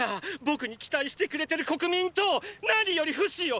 僕に期待してくれてる国民と何よりフシを！！